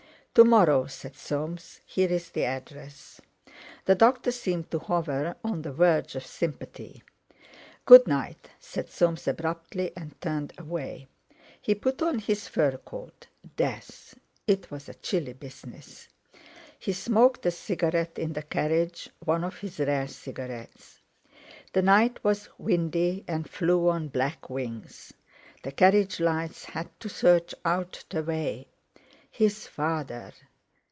"To morrow," said Soames. "Here's the address." The doctor seemed to hover on the verge of sympathy. "Good night!" said Soames abruptly, and turned away. He put on his fur coat. Death! It was a chilly business. He smoked a cigarette in the carriage—one of his rare cigarettes. The night was windy and flew on black wings; the carriage lights had to search out the way. His father!